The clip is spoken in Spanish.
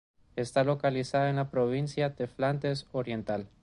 Está localizada en la provincia de Flandes Oriental.